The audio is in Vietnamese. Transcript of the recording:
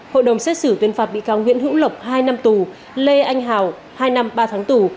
hội đồng xét xử tuyên phạt bị cáo nguyễn hữu lộc hai năm tù lê anh hào hai năm ba tháng tù